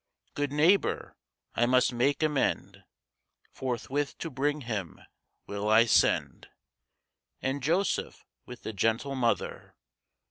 Good neighbor, I must make amend, Forthwith to bring Him will I send, And Joseph with the gentle Mother.